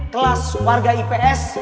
kelas warga ips